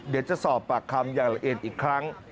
เดี๋ยวจะสอบปากคำอย่างละเอียดอีกครั้ง